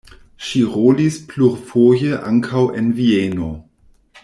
Ŝi rolis plurfoje ankaŭ en Vieno.